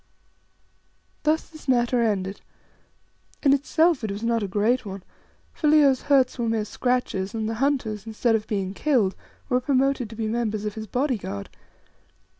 Thus this matter ended. In itself it was not a great one, for Leo's hurts were mere scratches, and the hunters, instead of being killed, were promoted to be members of his body guard.